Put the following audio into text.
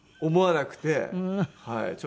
思わなくてはい。